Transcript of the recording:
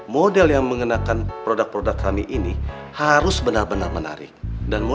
keluar dari sini